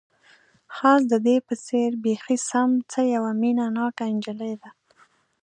خاص د دې په څېر، بیخي سم، څه یوه مینه ناکه انجلۍ ده.